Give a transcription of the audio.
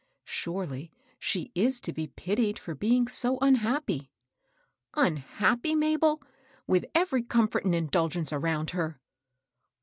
Surely, she is to be pitied for being so unhappy." "Unhappy, Mabel, with every comfort and indulgence around her?"